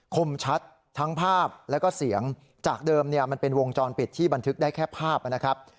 คมชัดทั้งภาพแล้วก็เสียงจากเดิมเนี่ยมันเป็นวงจรปิดที่บันทึกได้แค่ภาพนะครับ